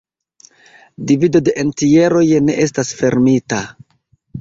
Divido de entjeroj ne estas fermita.